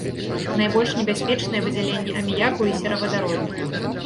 Найбольш небяспечныя выдзяленні аміяку і серавадароду.